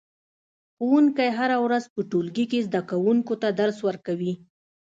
ښوونکی هره ورځ په ټولګي کې زده کوونکو ته درس ورکوي